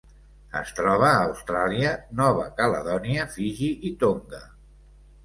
Es troba a Austràlia, Nova Caledònia, Fiji i Tonga.